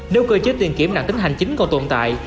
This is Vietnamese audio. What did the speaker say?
nếu cơ chế tiền kiểm đặc tính hành chính còn tồn tại